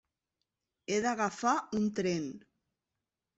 He d'agafar un tren.